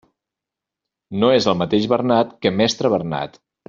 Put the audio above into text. No és el mateix Bernat que mestre Bernat.